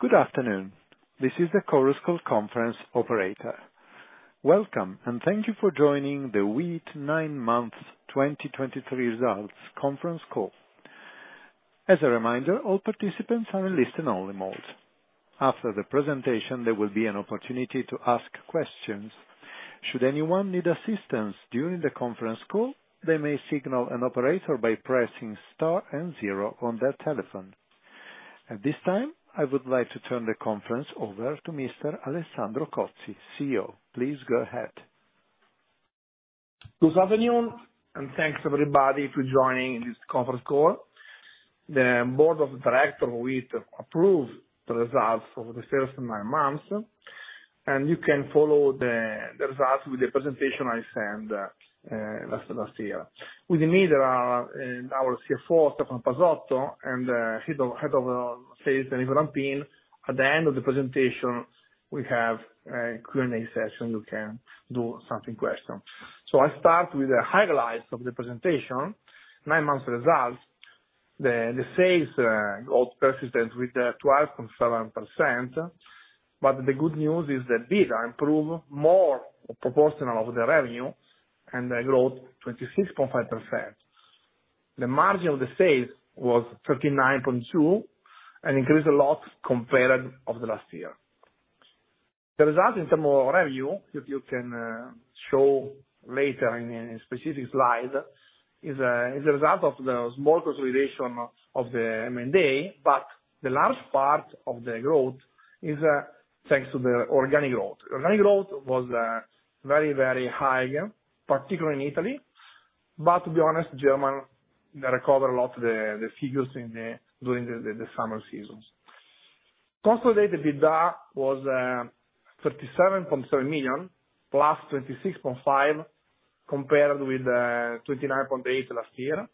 Good afternoon. This is the Chorus Call Conference operator. Welcome, and thank you for joining the WIIT nine months 2023 results conference call. As a reminder, all participants are in listen-only mode. After the presentation, there will be an opportunity to ask questions. Should anyone need assistance during the conference call, they may signal an operator by pressing star and zero on their telephone. At this time, I would like to turn the conference over to Mr. Alessandro Cozzi, CEO. Please go ahead.a Good afternoon, and thanks everybody for joining this conference call. The board of directors has approved the results for the first nine months, and you can follow the results with the presentation I sent last year. With me there are our CFO, Stefano Pasotto, and Head of Sales, Enrico Rampin. At the end of the presentation, we have a Q&A session; you can do some question. I start with the highlights of the presentation. Nine months results. The sales growth persistent with the 12.7%, but the good news is that EBITDA improve more proportional of the revenue and they growth 26.5%. The margin of the sales was 39.2%, and increased a lot compared of the last year. The result in terms of revenue, if you can show later in a specific slide, is a result of the small consolidation of the M&A, but the last part of the growth is thanks to the organic growth. Organic growth was very, very high, particularly in Italy, but to be honest, Germany, they recover a lot the figures during the summer seasons. Consolidated EBITDA was 37.3 million, +26.5% compared with 29.8 million last year.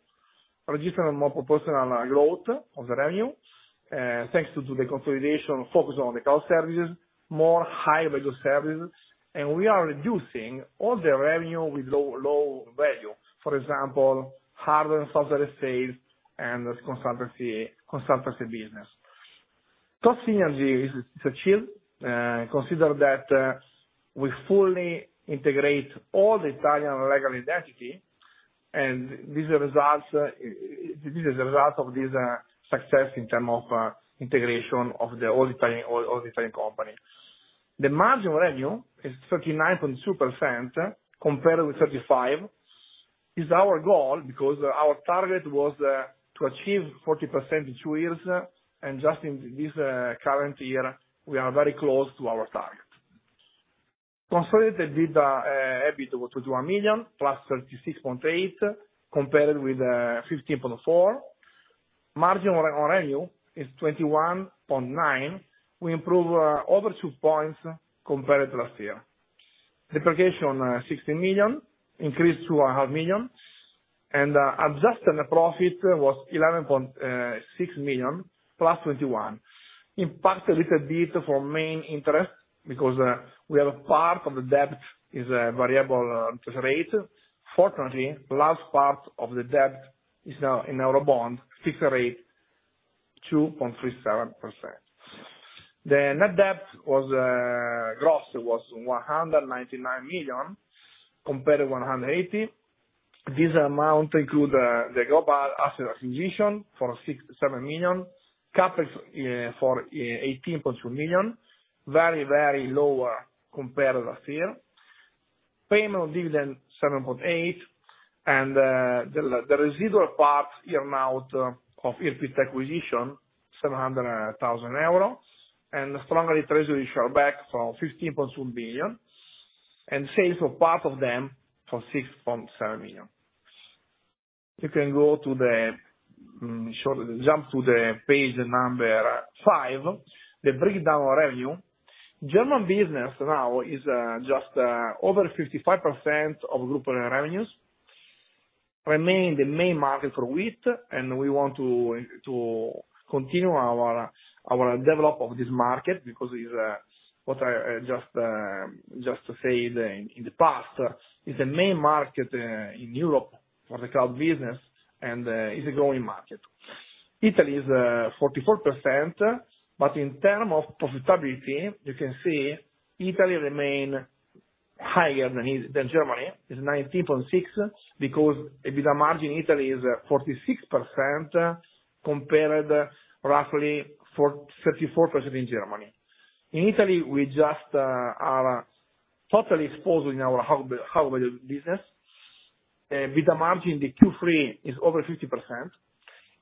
Producing a more proportional growth of the revenue, thanks to the consolidation focus on the cloud services, more high value services, and we are reducing all the revenue with low, low value. For example, hardware and software sales and consultancy, consultancy business. Cost synergy is achieved, consider that, we fully integrate all the Italian legal identity, and this results. This is a result of this success in terms of integration of all the Italian company. The margin revenue is 39.2%, compared with 35%. It's our goal, because our target was to achieve 40% in two years, and just in this current year, we are very close to our target. Consolidated EBITDA— EBIT to 21 million, +36.8, compared with 15.4. Margin on revenue is 21.9. We improve over 2 points compared to last year. Depreciation, 16 million, increased to 0.5 million, and adjusted profit was 11.6 million, +21. Impact a little bit for main interest because we have part of the debt is a variable interest rate. Fortunately, last part of the debt is now in our bond fixed rate, 2.37%. The net debt was gross was 199 million, compared to 180. This amount include the Global Access acquisition for 6.7 million, CapEx for 18.2 million. Very, very lower compared to last year. Payment of dividend, 7.8 million, and the, the residual part earn-out of ERPTech acquisition, 700,000 euros, and strong treasury share buyback from 15.2 million, and sales of part of them for 6.7 million. You can go to the short, jump to the page number five, the breakdown of revenue. German business now is just over 55% of group revenues, remain the main market for WIIT, and we want to continue our develop of this market, because it's what I just to say, the in the past is the main market in Europe for the cloud business, and is a growing market. Italy is 44%, but in term of profitability, you can see Italy remain higher than is, than Germany, is 19.6, because EBITDA margin Italy is 46%, compared roughly 34% in Germany. In Italy, we just are totally exposed in our high value business. EBITDA margin in the Q3 is over 50%.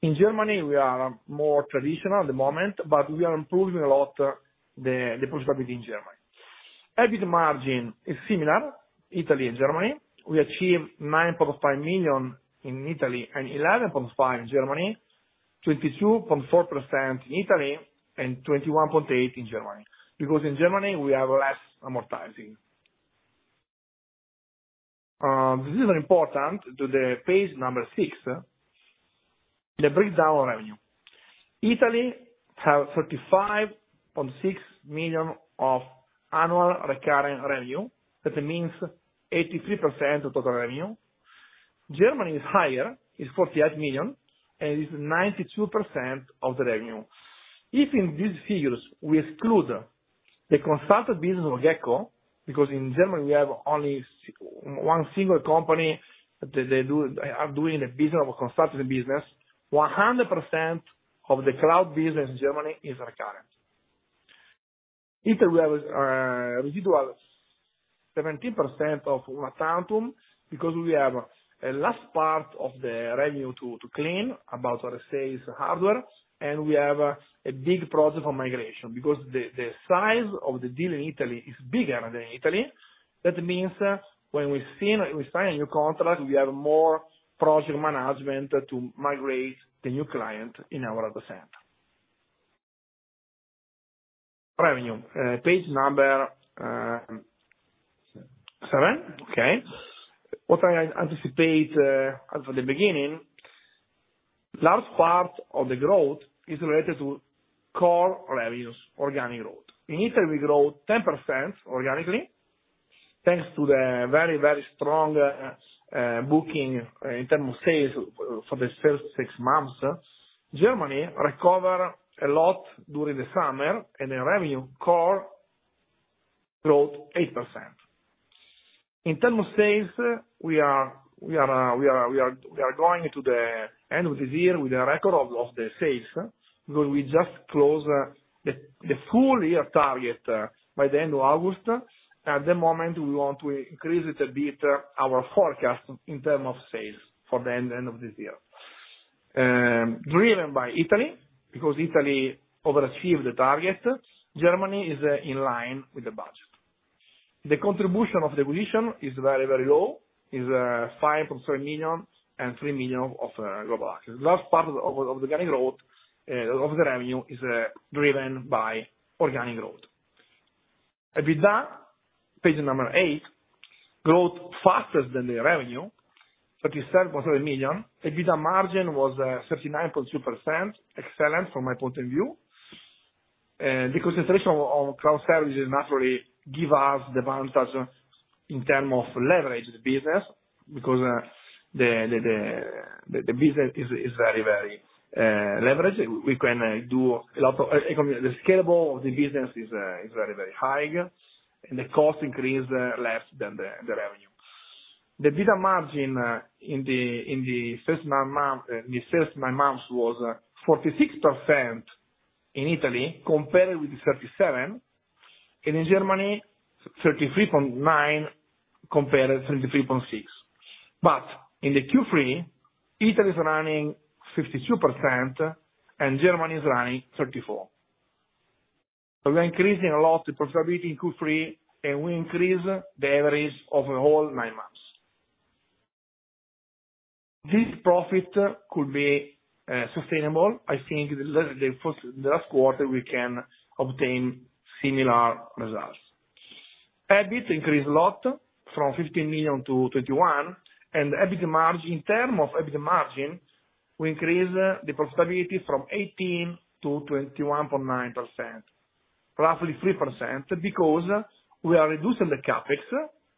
In Germany, we are more traditional at the moment, but we are improving a lot, the profitability in Germany. EBIT margin is similar, Italy and Germany. We achieved 9.5 million in Italy and 11.5 million in Germany. 22.4% in Italy and 21.8% in Germany, because in Germany we have less amortizing. This is important to the page number six, the breakdown revenue. Italy have 35.6 million of annual recurring revenue, that means 83% of total revenue. Germany is higher, is 48 million, and it's 92% of the revenue. If in these figures we exclude the consulting business of GECKO, because in Germany we have only one single company, that they do, are doing a business of a consulting business, 100% of the cloud business in Germany is recurrent. Italy, we do have 17% of one-time, because we have a last part of the revenue to claim about our sales hardware, and we have a big project for migration. Because the size of the deal in Italy is bigger than Italy, that means when we sign a new contract, we have more project management to migrate the new client in our data center. Revenue, page number seven. Okay. What I anticipate, at the beginning, last part of the growth is related to core revenues, organic growth. In Italy, we grow 10% organically, thanks to the very, very strong booking in terms of sales for the first six months. Germany recover a lot during the summer, and the revenue core growth 8%. In terms of sales, we are going to the end of this year with a record of the sales. Because we just closed the full year target by the end of August. At the moment, we want to increase it a bit, our forecast in terms of sales from the end of this year. Driven by Italy, because Italy overachieve the target, Germany is in line with the budget. The contribution of the acquisition is very, very low, is 5.3 million and 3 million of Global Access. Last part of the organic growth of the revenue is driven by organic growth. EBITDA, page number 8, growth faster than the revenue, 37.3 million. EBITDA margin was 39.2%. Excellent from my point of view. The concentration of cloud services naturally give us the advantage in term of leverage the business, because the business is very, very leveraged. We can do a lot of... The scalable of the business is very, very high, and the cost increase less than the revenue. The EBITDA margin in the first nine months was 46% in Italy, compared with the 37%, and in Germany 33.9%, compared to 33.6%. But in the Q3, Italy is running 52% and Germany is running 34%. So we're increasing a lot the profitability in Q3, and we increase the average of the whole nine months. This profit could be sustainable. I think the last quarter, we can obtain similar results. EBIT increased a lot, from 15 million to 21 million, and EBIT margin, in terms of EBIT margin, we increased the profitability from 18% to 21.9%. Roughly 3%, because we are reducing the CapEx.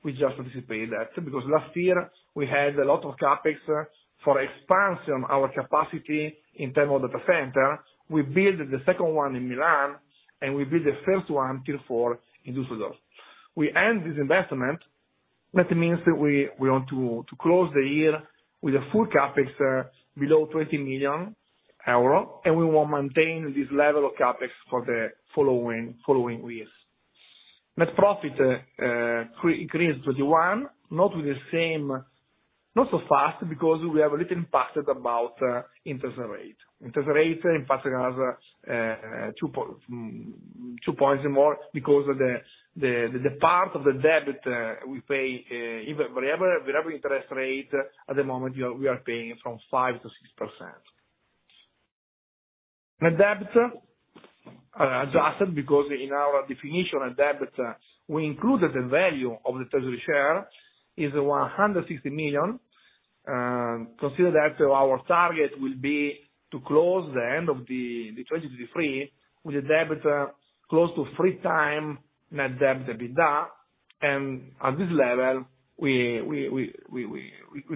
We just anticipated that, because last year we had a lot of CapEx for expanding our capacity in terms of data center. We built the second one in Milan, and we built the first one, Tier IV, in Düsseldorf. We ended this investment. That means that we want to close the year with a full CapEx below 20 million euro, and we will maintain this level of CapEx for the following years. Net profit increased 21, not with the same... Not so fast, because we have a little impacted about interest rate. Interest rate impacting us 2 points more because of the part of the debt that we pay, even wherever, whatever interest rate, at the moment, we are paying from 5%-6%. Net debt, adjusted, because in our definition of Net debt we included the value of the treasury share, is 160 million. Consider that our target will be to close the end of 2023 with the debt close to 3x net debt EBITDA. And at this level, we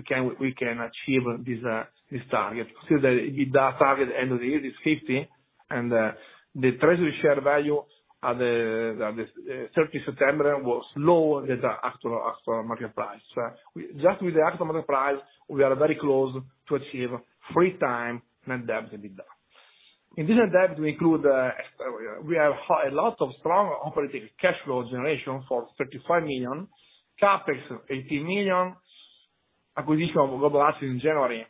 can achieve this target. Consider the EBITDA target end of the year is 50, and the treasury share value at the 30 September was [lower than the] actual market price. Just with the actual market price, we are very close to achieve 3x net debt EBITDA. In this net debt, we include we have a lot of strong operating cash flow generation for 35 million, CapEx 18 million, acquisition of Global Access in January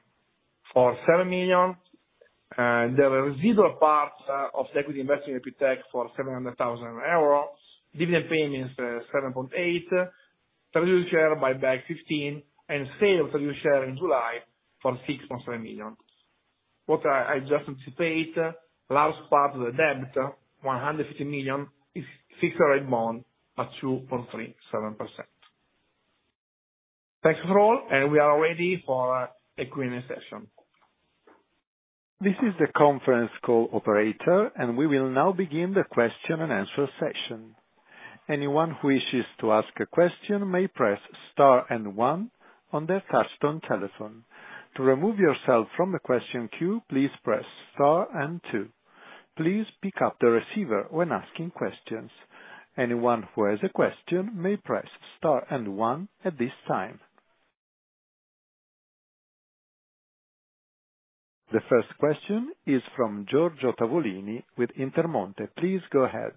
for 7 million, the residual parts of the equity investment in ERPTech for 700,000 euro, dividend payments 7.8 milion, treasury share buyback 15 million, and sale treasury share in July for 6.3 million. What I just anticipate, last part of the debt, 150 million, is fixed rate bond at 2.37%. Thanks for all, and we are ready for a Q&A session. This is the conference call operator, and we will now begin the question and answer session. Anyone who wishes to ask a question may press star and one on their touchtone telephone. To remove yourself from the question queue, please press star and two. Please pick up the receiver when asking questions. Anyone who has a question may press star and one at this time. The first question is from Giorgio Tavolini with Intermonte. Please go ahead.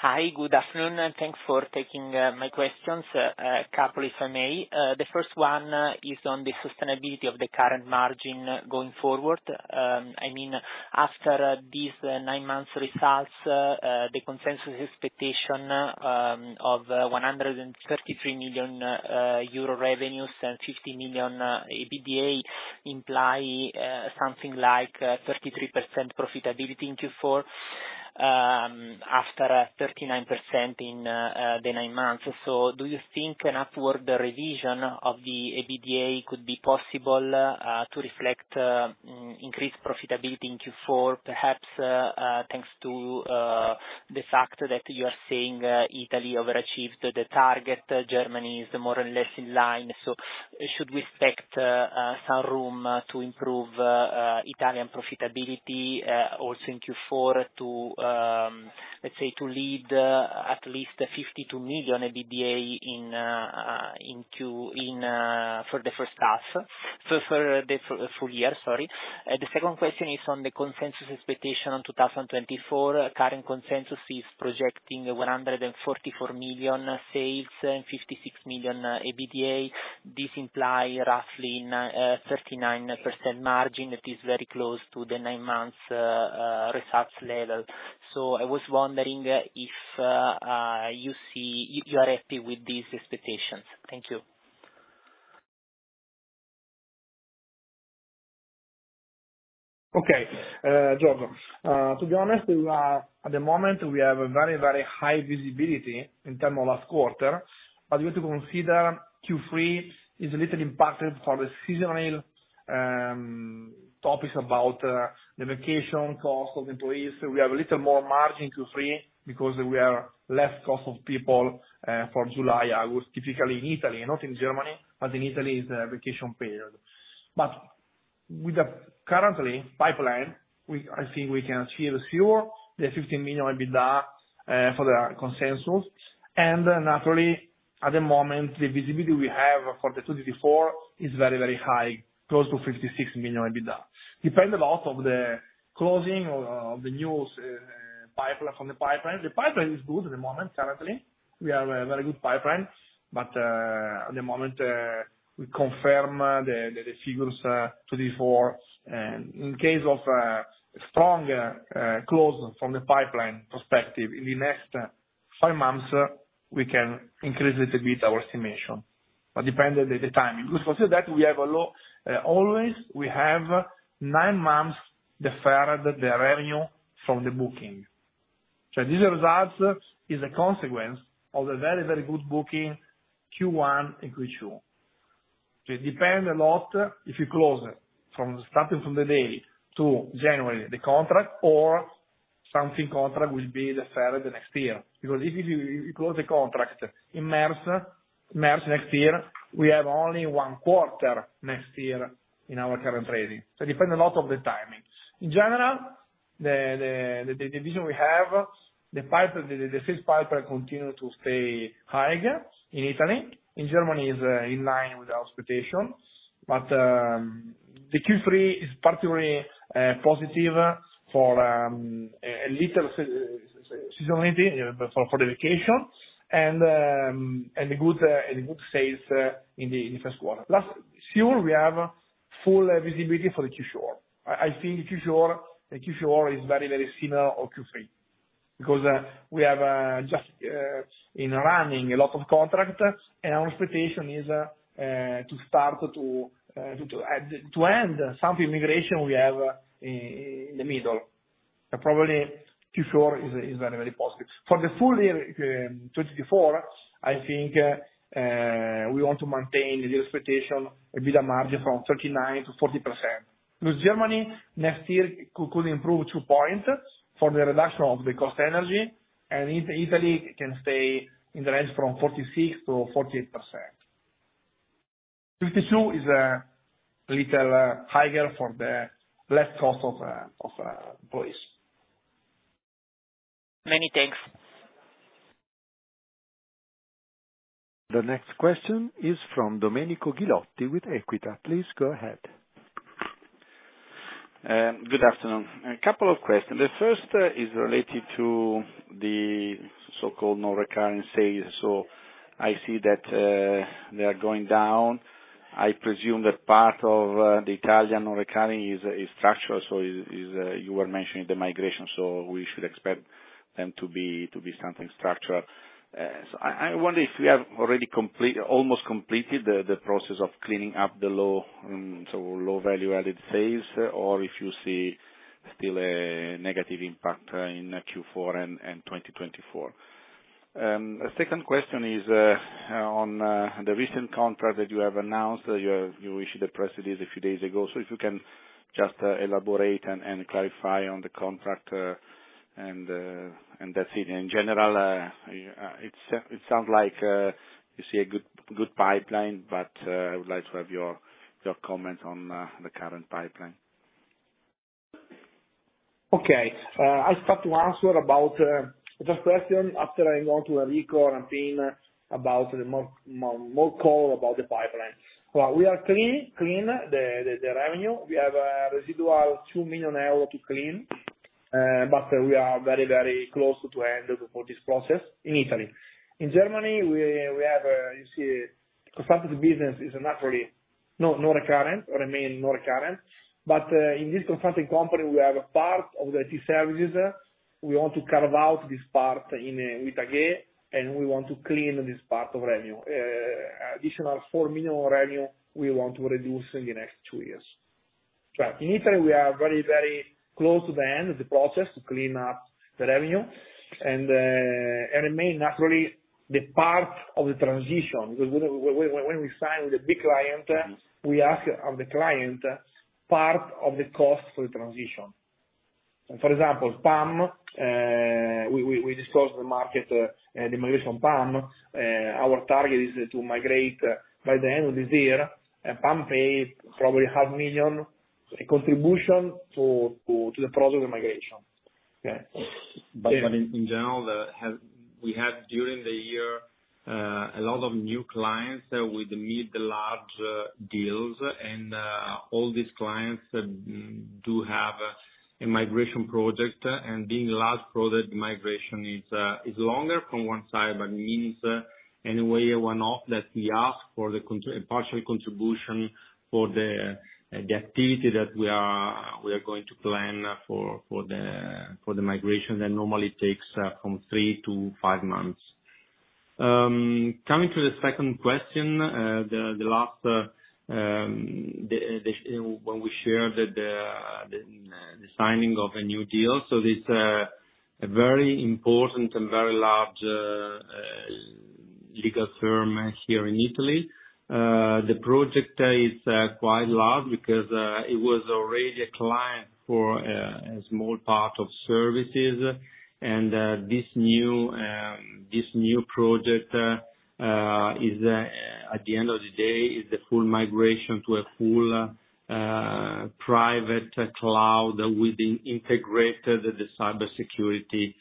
Hi, good afternoon, and thanks for taking my questions. A couple if I may. The first one is on the sustainability of the current margin going forward. I mean, after these nine months results, the consensus expectation of 133 million euro revenues and 50 million EBITDA imply something like 33% profitability in Q4, after 39% in the nine months. So do you think an upward revision of the EBITDA could be possible to reflect increased profitability in Q4, perhaps thanks to the fact that you are seeing Italy overachieve the target, Germany is more or less in line? So should we expect some room to improve Italian profitability also in Q4 to, let's say, to lead at least 52 million EBITDA in for the first half? For the full year, sorry. The second question is on the consensus expectation on 2024. Current consensus is projecting 144 million sales and 56 million EBITDA. This imply roughly 39% margin. That is very close to the nine months results level. So I was wondering if you see... If you are happy with these expectations? Thank you. Okay. Giorgio, to be honest, we are, at the moment, we have a very, very high visibility in terms of last quarter. But you have to consider Q3 is a little impacted for the seasonal topics about the vacation cost of employees. So we have a little more margin Q3, because we are less cost of people for July. August, typically in Italy, not in Germany, but in Italy is a vacation period. But with the currently pipeline, we I think we can achieve the figure, the 15 million EBITDA, for the consensus. And naturally, at the moment, the visibility we have for 2024 is very, very high, close to 56 million EBITDA. Depend a lot of the closing of, of the new pipeline, from the pipeline. The pipeline is good at the moment, currently. We have a very good pipeline, but at the moment we confirm the figures 2024. And in case of strong close from the pipeline perspective, in the next five months, we can increase a little bit our estimation, but dependent at the timing. Because for that we have a lot, always we have nine months deferred, the revenue from the booking. So these results is a consequence of a very, very good booking, Q1 and Q2. It depend a lot if you close it from, starting from the day to January, the contract, or something contract will be deferred the next year. Because if you, you close the contract in March, March next year, we have only one quarter next year in our current trading. So it depend a lot on the timing. In general, the division we have, the sales pipeline continue to stay high in Italy. In Germany is in line with our expectations. But the Q3 is particularly positive for a little seasonality for the vacation, and good sales in the first quarter. Last Q we have full visibility for the Q4. I think Q4, the Q4 is very, very similar to Q3, because we have just in running a lot of contract, and our expectation is to start to end some migration we have in the middle. So probably Q4 is very, very positive. For the full year, 2024, I think, we want to maintain the expectation, a bit of margin from 39%-40%. With Germany, next year could improve 2 points for the reduction of the cost energy. And in Italy, it can stay in the range from 46%-48%. 52% is a little higher for the less cost of employees. Many thanks. The next question is from Domenico Ghilotti with Equita. Please go ahead. Good afternoon. A couple of questions. The first is related to the so-called non-recurring sales. So I see that they are going down. I presume that part of the Italian non-recurring structure you were mentioning the migration, so we should expect them to be something structural. So I wonder if you have already almost completed the process of cleaning up the low so low value-added phase, or if you see still a negative impact in Q4 and 2024? A second question is on the recent contract that you have announced. You issued a press release a few days ago. So if you can just elaborate and clarify on the contract, and that's it. In general, it sounds like you see a good pipeline, but I would like to have your comment on the current pipeline. Okay. I'll start to answer about the first question after I go to Enrico and team about the call about the pipeline. Well, we are cleaning the revenue. We have a residual 2 million euros to clean, but we are very close to end this process in Italy. In Germany, we have, you see, consulting business is not really no recurrent or remain not recurrent, but in this consulting company, we have a part of the IT services. We want to carve out this part with WIIT again, and we want to clean this part of revenue. Additional 4 million revenue we want to reduce in the next two years. But in Italy, we are very, very close to the end of the process to clean up the revenue, and it may naturally, the part of the transition, when we sign with a big client, we ask of the client, part of the cost for the transition. For example, PAM, we discussed the market, the migration PAM, our target is to migrate by the end of this year. PAM pay probably 500,000 contribution to the process of migration. Okay. But in general, we had during the year a lot of new clients with mid-large deals, and all these clients do have a migration project. Being large project, migration is longer from one side, but means in a way one-off that we ask for the partial contribution for the activity that we are going to plan for the migration, that normally takes from three to five months. Coming to the second question, the last, the when we share the signing of a new deal, so this a very important and very large legal firm here in Italy. The project is quite large because it was already a client for a small part of services. This new project is, at the end of the day, the full migration to a full private cloud with the integrated cybersecurity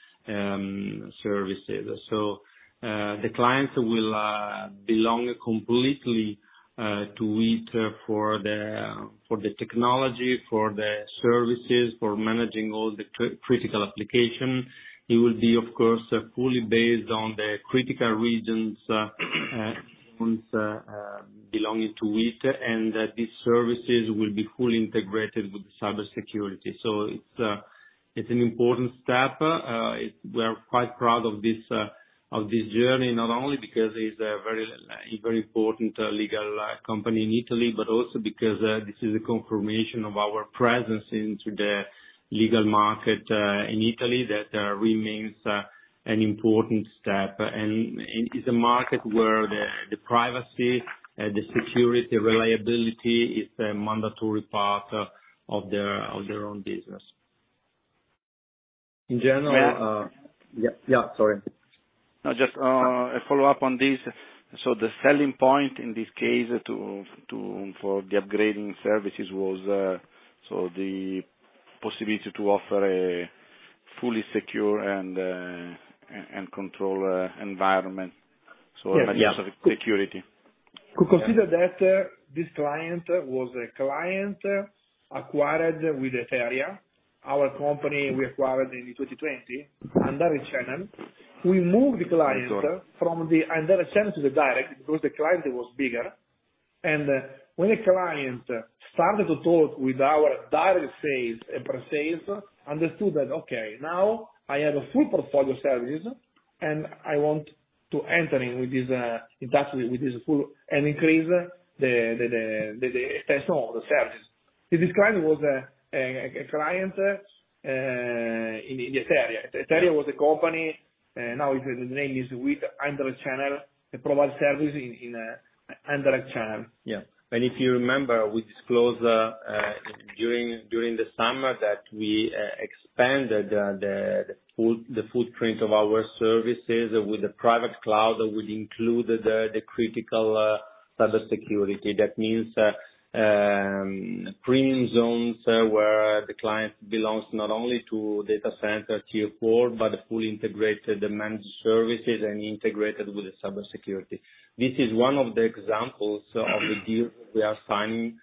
services. So, the clients will belong completely to WIIT for the technology, for the services, for managing all the critical application. It will be, of course, fully based on the critical regions belonging to WIIT, and these services will be fully integrated with the cybersecurity. So it's an important step. We are quite proud of this journey, not only because it's a very important legal company in Italy, but also because this is a confirmation of our presence into the legal market in Italy, that remains an important step. It's a market where the privacy, the security, reliability is a mandatory part of their own business. In general— Yeah. Yeah, sorry. No, just a follow-up on this. So the selling point in this case to, to, for the upgrading services was, so the possibility to offer a fully secure and, and, and controlled environment. Yeah. So security. To consider that, this client was a client acquired with Etaeria, our company we acquired in 2020, indirect channel. We moved the client from the indirect channel to the direct, because the client was bigger. And when the client started to talk with our direct sales, pre-sales understood that, "Okay, now I have a full portfolio services, and I want to enter in with this industry, with this full and increase the personal service." This client was a client in Etaeria. Etaeria was a company, now the name is with indirect channel, it provide service in indirect channel. Yeah. And if you remember, we disclosed during the summer that we expanded the footprint of our services with the private cloud, which included the critical cybersecurity. That means, premium zones, where the client belongs not only to data center, Tier IV, but fully integrated the managed services and integrated with the cybersecurity. This is one of the examples of the deal we are signing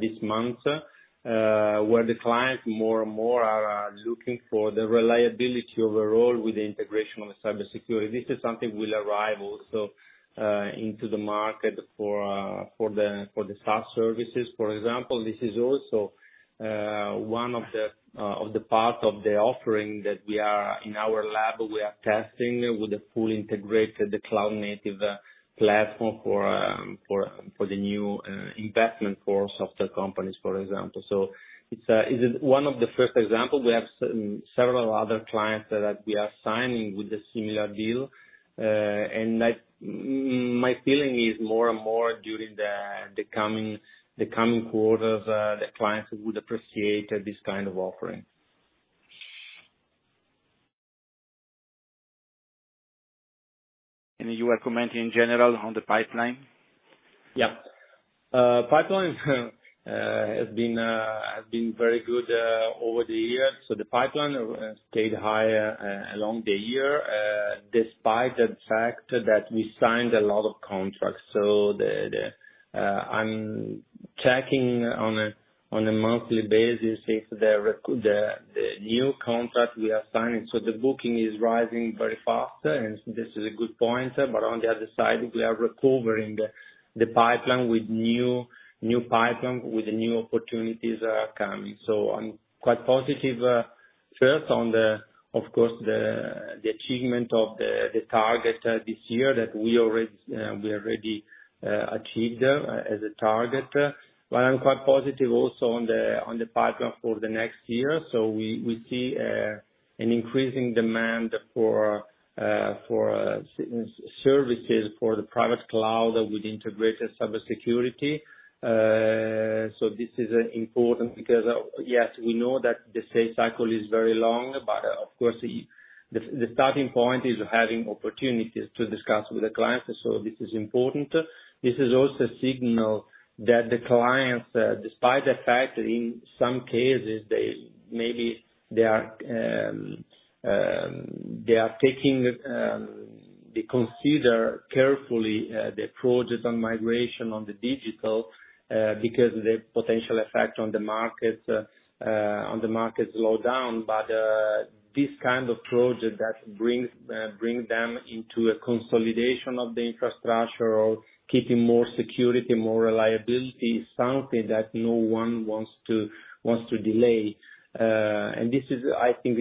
this month, where the clients more and more are looking for the reliability overall with the integration of the cybersecurity. This is something will arrive also into the market for the SaaS services. For example, this is also one of the part of the offering that we are, in our lab, we are testing with the full integrated, the cloud native platform for the new investment for software companies, for example. So it is one of the first examples. We have several other clients that we are signing with a similar deal, and my feeling is more and more during the coming quarters, the clients would appreciate this kind of offering. You are commenting in general on the pipeline? Yeah. Pipeline has been very good over the years. So the pipeline stayed high along the year, despite the fact that we signed a lot of contracts. So I'm checking on a monthly basis if the new contract we are signing, so the booking is rising very fast, and this is a good point. But on the other side, we are recovering the pipeline with new pipeline, with the new opportunities are coming. So I'm quite positive, first on, of course, the achievement of the target this year that we already achieved as a target. But I'm quite positive also on the pipeline for the next year. So we see an increasing demand for services for the private cloud with integrated cybersecurity. So this is important because, yes, we know that the sales cycle is very long, but of course, the starting point is having opportunities to discuss with the clients, so this is important. This is also a signal that the clients, despite the fact that in some cases they maybe are taking... They consider carefully the project on migration on the digital because the potential effect on the market on the market slowdown. But this kind of project that brings bring them into a consolidation of the infrastructure or keeping more security, more reliability, something that no one wants to wants to delay. And this is, I think,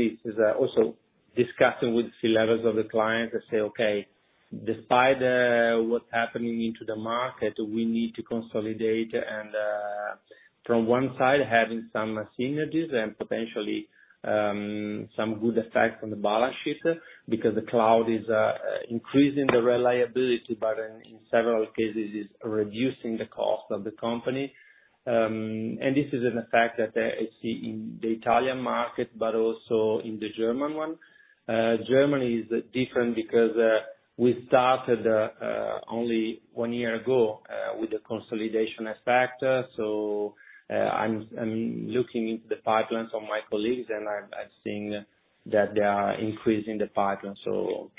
also discussing with C-levels of the client to say, "Okay, despite what's happening into the market, we need to consolidate," and from one side, having some synergies and potentially some good effect on the balance sheet, because the cloud is increasing the reliability, but in several cases is reducing the cost of the company. And this is an effect that I see in the Italian market, but also in the German one. Germany is different because we started only one year ago with the consolidation effect. So, I'm looking into the pipelines of my colleagues, and I've seen that they are increasing the pipeline, so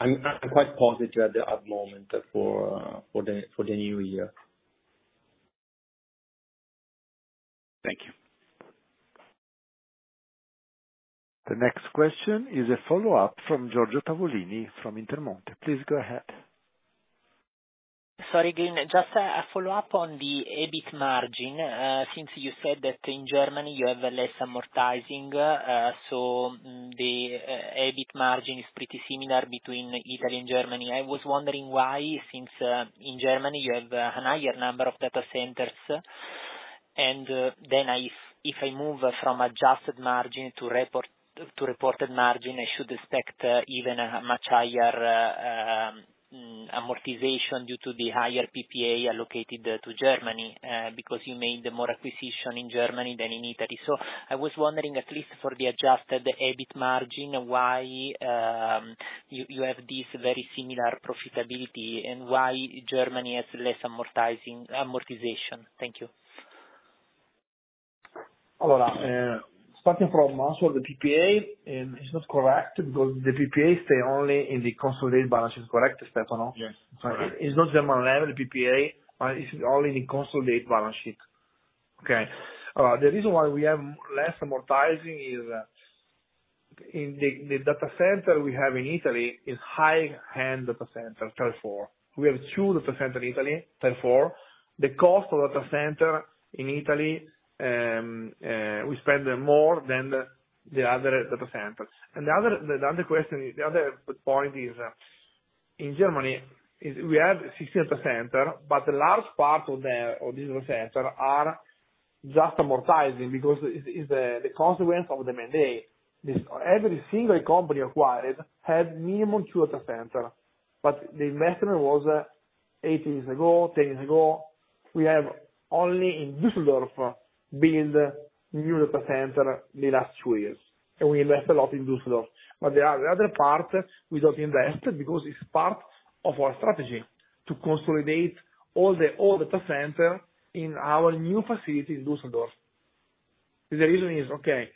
I'm quite positive at the moment for the new year. Thank you. The next question is a follow-up from Giorgio Tavolini from Intermonte. Please go ahead. Sorry, again, just a follow-up on the EBIT margin. Since you said that in Germany you have less amortizing, so the EBIT margin is pretty similar between Italy and Germany. I was wondering why, since in Germany you have a higher number of data centers. And then if I move from adjusted margin to reported margin, I should expect even a much higher amortization due to the higher PPA allocated to Germany, because you made more acquisition in Germany than in Italy. So I was wondering, at least for the adjusted EBIT margin, why you have this very similar profitability, and why Germany has less amortizing... amortization? Thank you. Starting from answer of the PPA, it's not correct, because the PPA stay only in the consolidated balance, correct, Stefano? Yes. So it's not German PPA, but it's only in the consolidated balance sheet. Okay. The reason why we have less amortizing is in the data center we have in Italy is high-end data center, Tier IV. We havetwo data center in Italy, Tier IV. The cost of data center in Italy, we spend more than the other data centers. And the other question, the other point is, in Germany we have six data center, but the large part of this data center are just amortizing because it is the consequence of the mandate. Every single company acquired had minimum two data center, but the investment was eight years ago, 10 years ago. We have only in Düsseldorf built new data center the last two years, and we invest a lot in Düsseldorf. But the other part, we don't invest because it's part of our strategy to consolidate all the old data center in our new facility in Düsseldorf. The reason is, okay,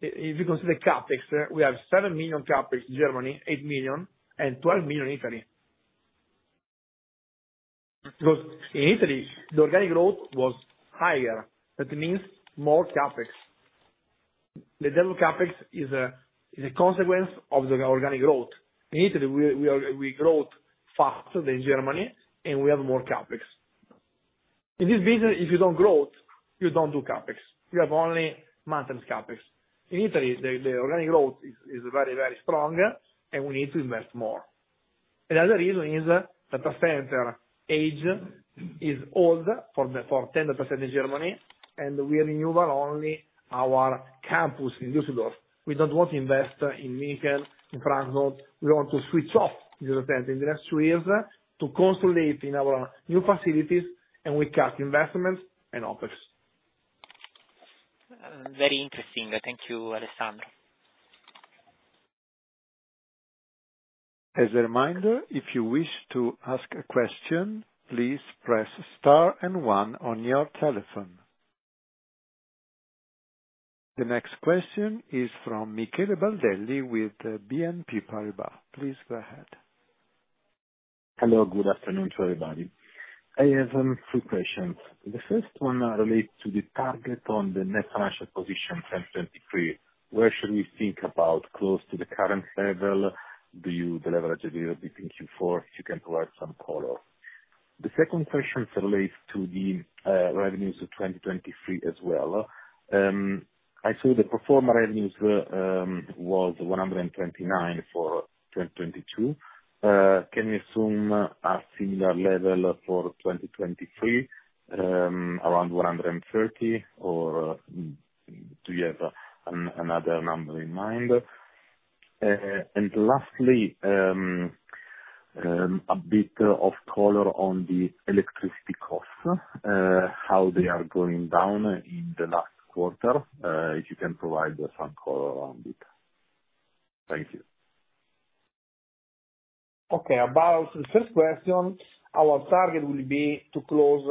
if you consider CapEx, we have 7 million CapEx Germany, 8 million, and 12 million in Italy. Because in Italy, the organic growth was higher, that means more CapEx. The double CapEx is a consequence of the organic growth. In Italy, we are we growth faster than Germany, and we have more CapEx. In this business, if you don't growth, you don't do CapEx. We have only maintenance CapEx. In Italy, the organic growth is very strong, and we need to invest more. The other reason is data center age is old for 10 data center in Germany, and we renew only our campus in Düsseldorf. We don't want to invest in Munich, in Frankfurt. We want to switch off data center in the next two years to consolidate in our new facilities, and we cut investments and OpEx. Very interesting. Thank you, Alessandro. As a reminder, if you wish to ask a question, please press star and one on your telephone. The next question is from Michele Baldelli with BNP Paribas. Please go ahead. Hello, good afternoon to everybody. I have three questions. The first one relates to the target on the net financial position 2023. Where should we think about close to the current level? Do you de-leverage a little bit in Q4, if you can provide some color? The second question relates to the revenues of 2023 as well. I saw the pro forma revenues was 129 million for 2022. Can we assume a similar level for 2023, around 130 million, or do you have another number in mind? And lastly, a bit of color on the electricity costs, how they are going down in the last quarter? If you can provide some color around it. Thank you. Okay, about the first question, our target will be to close,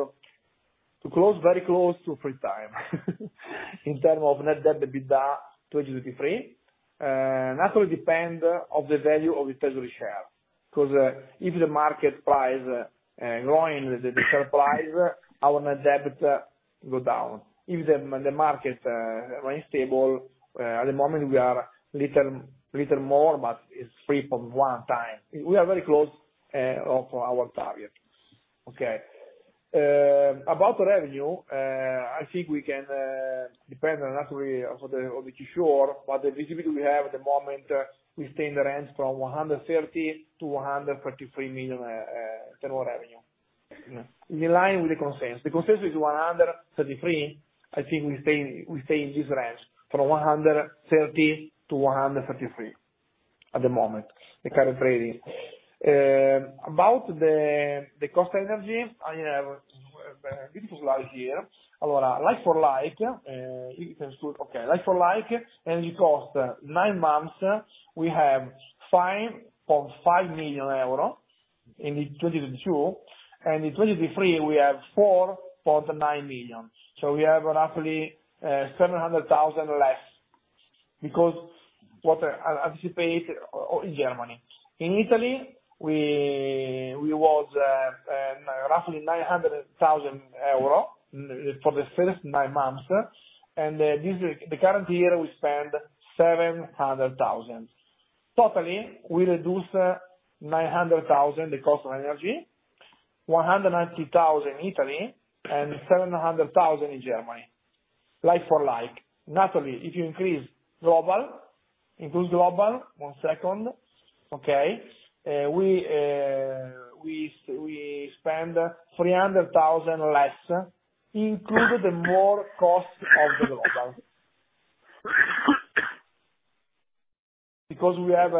to close very close to 3x. In terms of net debt, EBITDA 2023, naturally depend of the value of the treasury share, 'cause, if the market price, going with the share price, our net debt go down. If the, the market, remain stable, at the moment we are little, little more, but it's 3.1x. We are very close, of our target. Okay. About revenue, I think we can, depend on actually of the, of the Q4, but the visibility we have at the moment, we stay in the range from 130 miilion-EUR 133 million, uh, uh, turnover revenue. In line with the consensus. The consensus is 133 million. I think we stay in this range from 130 million-133 million, at the moment, the current trading. About the cost energy, I have a beautiful slide here. Our like-for-like, energy cost, nine months, we have 5.5 million euro in 2022, and in 2023, we have 4.9 million. So we have roughly 700,000 less, because what I anticipate in Germany. In Italy, we was roughly 900,000 euro for the first nine months, and this, the current year, we spend 700,000. Totally, we reduce 900,000, the cost of energy, 190,000 in Italy, and 700,000 in Germany, like-for-like. Naturally, if you increase Global, increase Global, one second, okay, we spend 300,000 less, including the more cost of the Global. Because we have,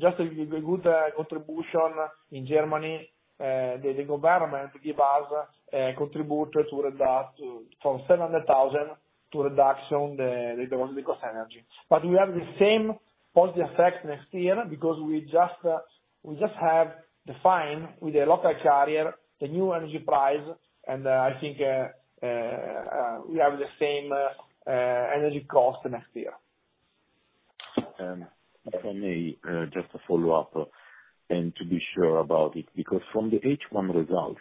just to give you a good contribution in Germany, the government give us a contribution to reduce from 700,000, to reduction the cost energy. But we have the same positive effect next year, because we just have defined with the local carrier, the new energy price, and I think we have the same energy cost next year. If I may, just to follow up, and to be sure about it, because from the H1 results,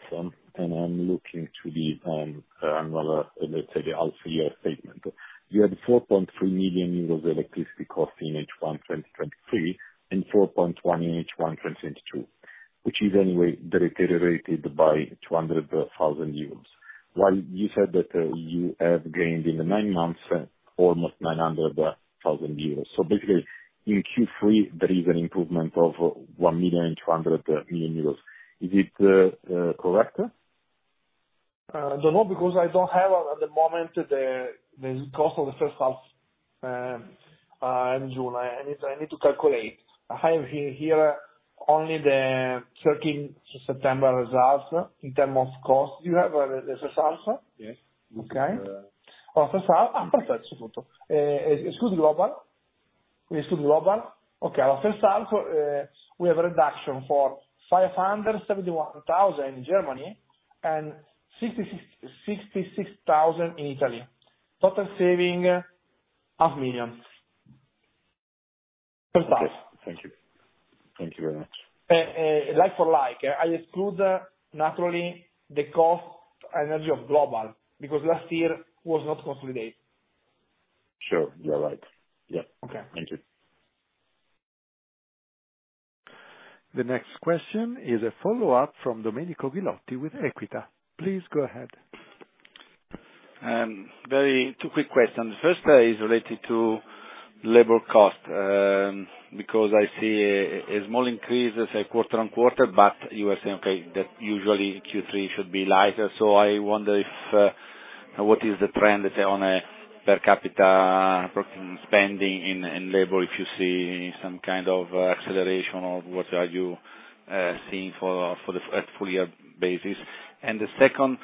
and I'm looking to the, another, let's say the half year statement, you had 4.3 million euros electricity cost in H1 2023, and 4.1 million in H1 2022, which is anyway deteriorated by 200,000 euros. While you said that, you have gained in the nine months, almost 900,000 euros. So basically, in Q3 there is an improvement of 1.2 million. Is it correct? I don't know, because I don't have at the moment the cost of the first half in June. I need to calculate. I have here only the 13 September results in terms of cost. Do you have the first half? Yes. Okay. Exclude Global. We exclude Global. Okay, first half, we have a reduction for 571,000 in Germany and 66,000 in Italy. Total saving, EUR 500,000. First half. Thank you. Thank you very much. Like-for-like, I exclude, naturally, the cost energy of Global, because last year was not consolidated. Sure, you're right. Yeah. Okay. Thank you. The next question is a follow-up from Domenico Ghilotti with Equita. Please go ahead. Two quick questions. First, is related to labor cost, because I see a small increase as a quarter-on-quarter, but you are saying, okay, that usually Q3 should be lighter. So I wonder if what is the trend on a per capita spending in labor, if you see some kind of acceleration, or what are you seeing for the full year basis? And the second,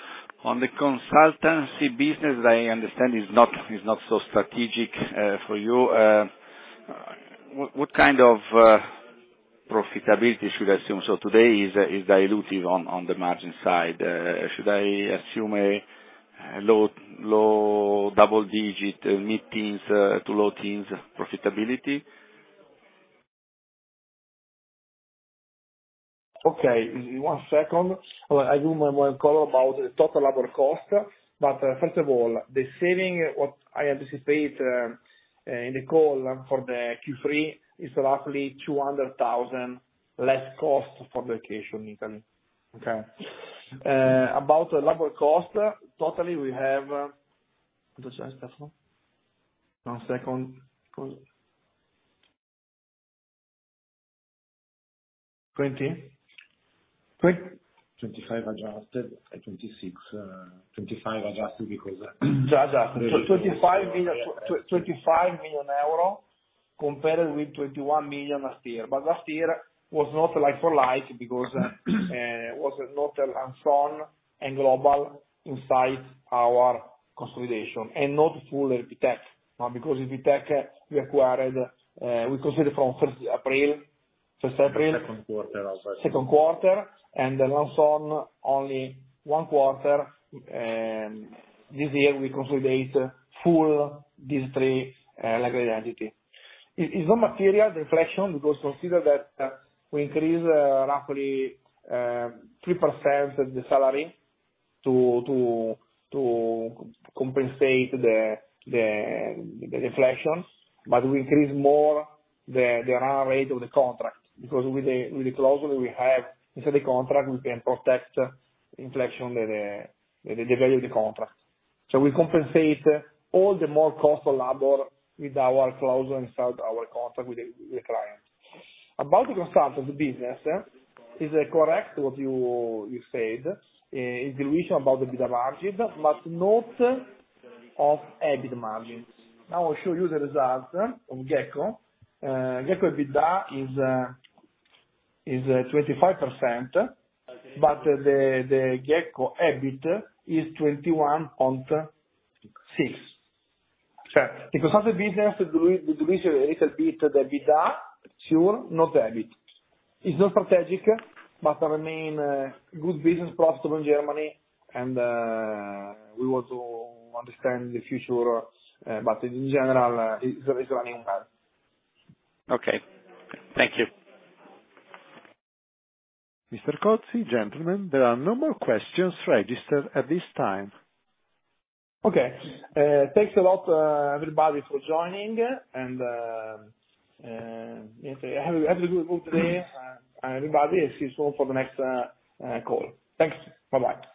on the consultancy business, that I understand is not so strategic for you. What kind of profitability should I assume? So today is dilutive on the margin side. Should I assume a low double digit, mid-teens to low-teens profitability? Okay, one second. I do my one call about the total labor cost, but, first of all, the saving, what I anticipate, in the call for the Q3 is roughly 200,000 less cost for the location Italy. Okay? About the labor cost, totally we have, One second. 20 million? 25 million adjusted, and 26 million, 25 million euro adjusted because - Adjusted. EUR 25 million compared with 21 million last year. But last year was not like for like, because was not LANSOL and Global inside our consolidation, and not full ERPTech. Because ERPTech we acquired, we considered from 1st April. Second quarter of- Second quarter, and then LANSOL, only one quarter, and this year we consolidate full these three, like, entity. It's no material inflation, because consider that, we increase, roughly, 3% of the salary to compensate the inflation. But we increase more the annual rate of the contract, because with the clauses we have inside the contract, we can protect inflation, the value of the contract. So we compensate all the more cost labor with our clause inside our contract with the client. About the consultant business, is correct what you said, in the region about the EBITDA margin, but not of EBIT margins. Now I'll show you the result of GECKO. GECKO EBITDA is 25%, but the GECKO EBIT is 21.6. So because of the business dilutes a little bit, the EBITDA, sure, not the EBIT. It's not strategic, but remain a good business profit in Germany, and we want to understand the future. But in general, it's running well. Okay. Thank you. Mr. Cozzi, gentlemen, there are no more questions registered at this time. Okay. Thanks a lot, everybody for joining, and have a good day, everybody, and see you soon for the next call. Thanks. Bye-bye.